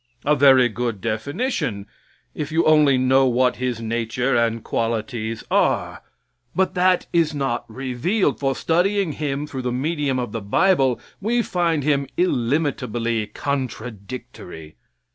A very good definition, if you only know what His nature and qualities are. But that is not revealed; for, studying Him through the medium of the bible, we find Him illimitably contradictory.